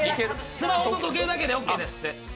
スマホと時計だけでオッケーですって。